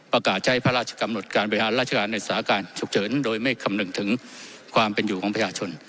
ประกาศใช้พระราชกำหนดการบริหารราชการในสถานการณ์ฉุกเฉินโดยไม่คำนึงถึงความเป็นอยู่ของประชาชน